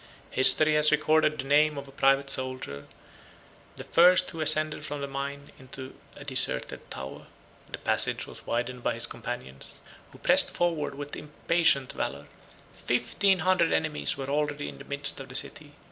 History has recorded the name of a private soldier the first who ascended from the mine into a deserted tower. The passage was widened by his companions, who pressed forwards with impatient valor. Fifteen hundred enemies were already in the midst of the city.